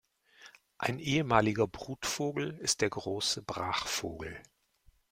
Ein ehemaliger Brutvogel ist der Große Brachvogel.